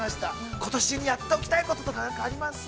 ことしにやっておきたいこととか、ありますか。